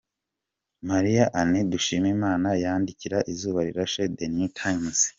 Marie Anne Dushimimana yandikira Izuba Rirashe na The New Times.